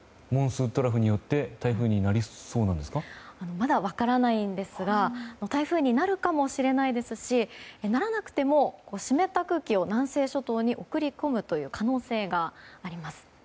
まだ分からないんですが台風になるかもしれないですしならなくても湿った空気を南西諸島に送り込むという可能性があります。